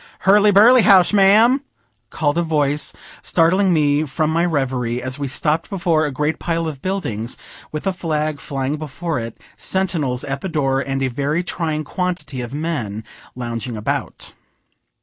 "Hurly burly House, ma'am!" called a voice, startling me from my reverie, as we stopped before a great pile of buildings, with a flag flying before it, sentinels at the door, and a very trying quantity of men lounging about.